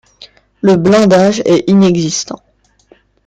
Le blindage est inexistant.